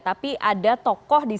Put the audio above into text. tapi ada tokoh dibuka